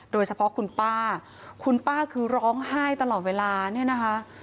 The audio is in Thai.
โดยเฉพาะคุณป้าคุณป้าคือร้องไห้ตลอดเวลาเนี่ยนะคะ